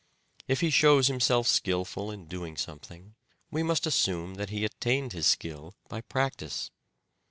If he shows himself skilful in doing something we must assume that he attained his skill by practice.